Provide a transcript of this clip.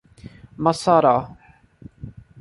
Mossoró